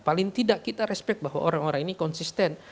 paling tidak kita respect bahwa orang orang ini konsisten